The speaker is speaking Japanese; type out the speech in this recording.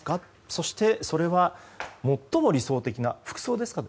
そして、それは最も理想的な服装ですか？